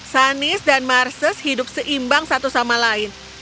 sunnys dan marshes hidup seimbang satu sama lain